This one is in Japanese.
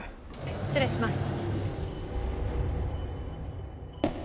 失礼します。